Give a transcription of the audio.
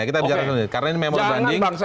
karena ini memori banding